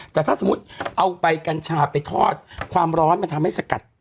แต่ถ้าสมมุติเอาใบกัญชาไปทอดความร้อนมันทำให้สกัด